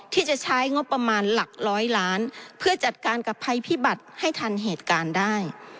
ที่จะใช้งบประมาณหลักร้อยล้านเพื่อจัดการกับภัยพิบัติให้ทันเหตุการณ์ได้